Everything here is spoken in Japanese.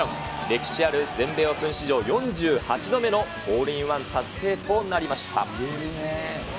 歴史ある全米オープン史上４８度目のホールインワン達成となりました。